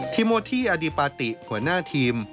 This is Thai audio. โมทีอาดิปาติหัวหน้าทีม